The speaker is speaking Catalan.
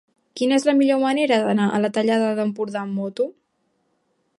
Quina és la millor manera d'anar a la Tallada d'Empordà amb moto?